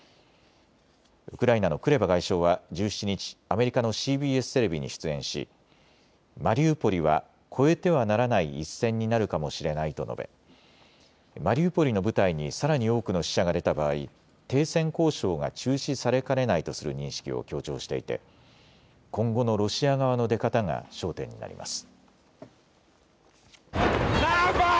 ウクライナのクレバ外相は１７日、アメリカのＣＢＳテレビに出演しマリウポリは越えてはならない一線になるかもしれないと述べマリウポリの部隊にさらに多くの死者が出た場合、停戦交渉が中止されかねないとする認識を強調していて今後のロシア側の出方が焦点になります。